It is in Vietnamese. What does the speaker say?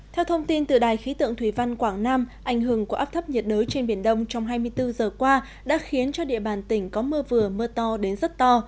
theo thông tin từ đài khí tượng thủy văn quảng nam ảnh hưởng của áp thấp nhiệt đới trên biển đông trong hai mươi bốn giờ qua đã khiến cho địa bàn tỉnh có mưa vừa mưa to đến rất to